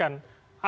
artinya akan ada